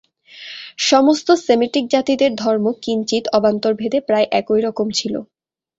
সমস্ত সেমিটিক জাতিদের ধর্ম কিঞ্চিৎ অবান্তরভেদে প্রায় এক রকমই ছিল।